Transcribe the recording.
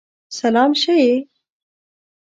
سلام شه یی!